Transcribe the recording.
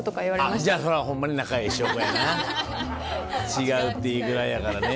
「違う」って言うぐらいやからね。